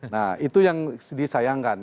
nah itu yang disayangkan